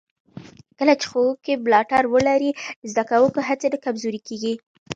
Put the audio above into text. کله چې ښوونکي ملاتړ ولري، د زده کوونکو هڅې نه کمزورې کېږي.